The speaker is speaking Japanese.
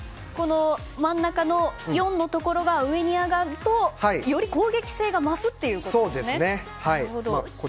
真ん中の４のところが上に上がるとより攻撃性が増すということですね。